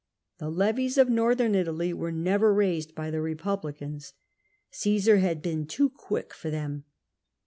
The levies of Northern Italy were never raised by the Republicans — 282 POMPEY Caasar had beeti too quick for them.